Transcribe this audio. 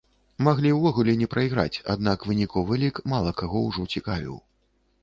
Маглі ўвогуле не прайграць, аднак выніковы лік, мала каго ўжо цікавіў.